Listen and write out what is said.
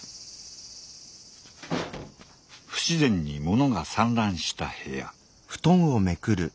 不自然に物が散乱した部屋。